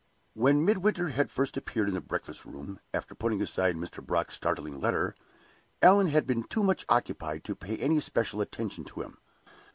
When Midwinter had first appeared in the breakfast room, after putting aside Mr. Brock's startling letter, Allan had been too much occupied to pay any special attention to him.